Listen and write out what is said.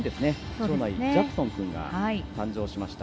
長男のジャクソン君が誕生しました。